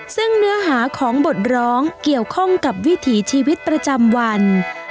ซึ่งเนื้อหาของบทร้องเกี่ยวข้องกับวิถีชีวิตประจำวัน